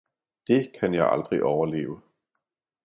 det kan jeg aldrig overleve!